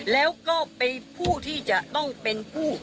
แล้วก็เป็นผู้ที่จะต้องเป็นผู้